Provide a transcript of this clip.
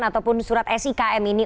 ataupun surat sikm ini